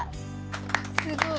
すごい。